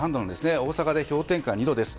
大阪で氷点下２度です。